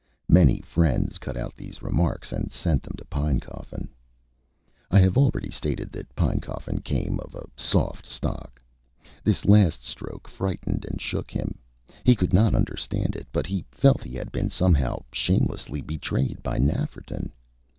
Many friends cut out these remarks and sent them to Pinecoffin. I have already stated that Pinecoffin came of a soft stock. This last stroke frightened and shook him. He could not understand it; but he felt he had been, somehow, shamelessly betrayed by Nafferton.